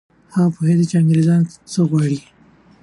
هغه پوهېده چي انګریزان څه غواړي.